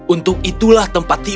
untuk itulah tempat tiba